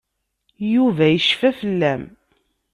Yuba yecfa fell-am.